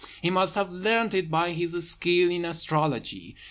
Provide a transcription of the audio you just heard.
He must have learnt it by his skill in astrology.